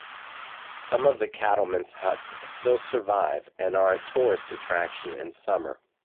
Some of the cattlemen's huts still survive and are a tourist attraction in summer.